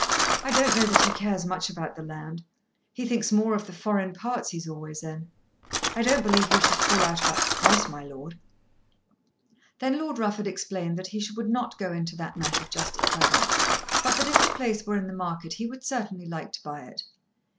I don't know that he cares much about the land. He thinks more of the foreign parts he's always in. I don't believe we should fall out about the price, my lord." Then Lord Rufford explained that he would not go into that matter just at present, but that if the place were in the market he would certainly like to buy it.